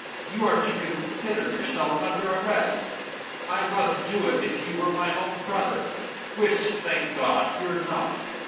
You are to consider yourself under arrest. I must do it if you were my own brother, which, thank God, you're not.